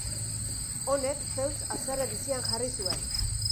Honek, Zeus haserre bizian jarri zuen.